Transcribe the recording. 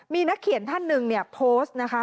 มีนักเขียนท่านหนึ่งเนี่ยโพสต์นะคะ